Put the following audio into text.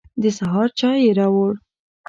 د سهار چای يې راوړ.